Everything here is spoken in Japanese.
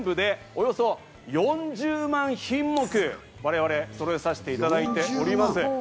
全部で４０万品目、我々、揃えさせていただいております。